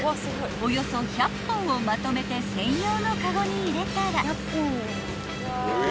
およそ１００本をまとめて専用のカゴに入れたら］